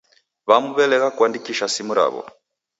W'amu w'elegha kuandikisha simu raw'o.